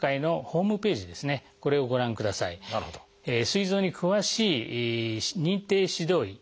すい臓に詳しい認定指導医